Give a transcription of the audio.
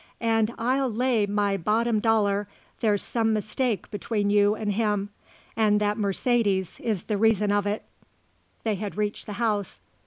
And I'll lay my bottom dollar there's some mistake between you and him, and that Mercedes is the reason of it." They had reached the house.